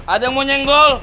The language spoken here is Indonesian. ada yang mau nyenggol